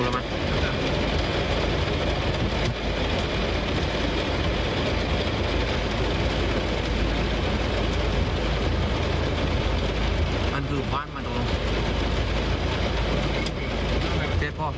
มันคือขวานมาโดน